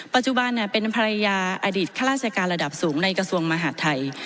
ปัจจุบันเป็นภรรยาอดีตข้าราชการระดับสูงในกระทรวงมหาดไทย